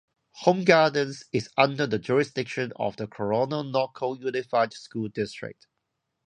Home Gardens is under the jurisdiction of the Corona-Norco Unified School District.